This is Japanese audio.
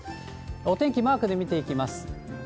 お天気、マークで見ていきます。